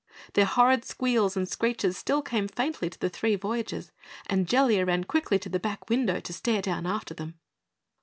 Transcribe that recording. Their horrid squeals and screeches still came faintly to the three voyagers, and Jellia ran quickly to the back window to stare down after them.